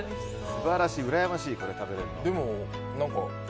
素晴らしい、うらやましいこれ食べれるのは。